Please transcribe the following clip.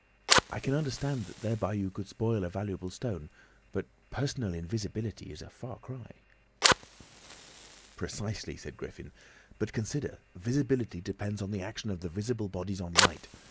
I can understand that thereby you could spoil a valuable stone, but personal invisibility is a far cry." "Precisely," said Griffin. "But consider, visibility depends on the action of the visible bodies on light.